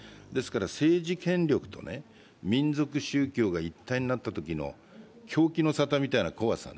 政治権力と民俗宗教が一体になったときの狂気の沙汰みたいな怖さね。